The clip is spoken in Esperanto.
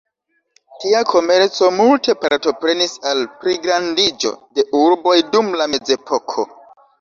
Tia komerco multe partoprenis al pligrandiĝo de urboj dum la mezepoko.